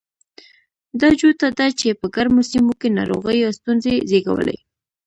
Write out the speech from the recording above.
دا جوته ده چې په ګرمو سیمو کې ناروغیو ستونزې زېږولې.